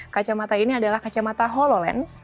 kacamata ini adalah kacamata hololence